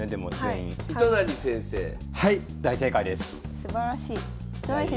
すばらしい。